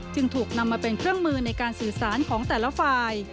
จึงถูกนำมาเป็นเครื่องมือในการสื่อสารของแต่ละฝ่าย